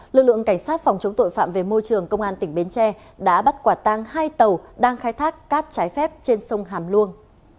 lực lượng cảnh sát phòng chống tội phạm về môi trường công an tỉnh bến tre đã bắt quả tang hai tàu đang khai thác cát trái phép trên sông hàm luông